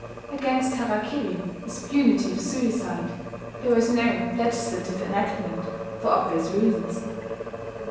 Against harakiri, as punitive suicide, there was no legislative enactment, for obvious reasons.